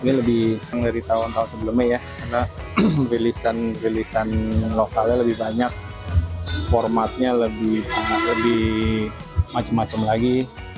ini lebih keseng dari tahun tahun sebelumnya ya karena bilisan lokalnya lebih banyak formatnya lebih macem macem lagi